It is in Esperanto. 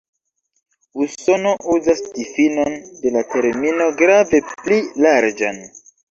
Usono uzas difinon de la termino grave pli larĝan.